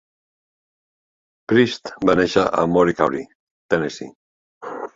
Priest va néixer a Maury County, Tennessee.